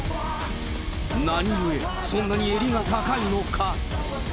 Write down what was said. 何ゆえ、そんなに襟が高いのか。